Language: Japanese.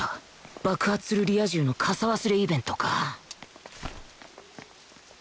爆発するリア充の傘忘れイベントか